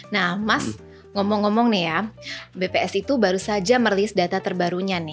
nah mas ngomong ngomong bps itu baru saja merilis data terbarunya